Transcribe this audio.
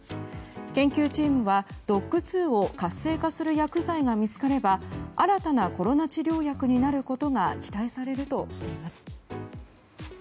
研究チームはＤＯＣＫ２を活性化する薬剤が見つかれば新たなコロナ治療薬になることが期待されるとしています。